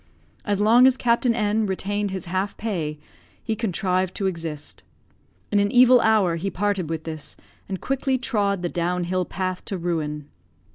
As long as Captain N retained his half pay, he contrived to exist. In an evil hour he parted with this, and quickly trod the downhill path to ruin.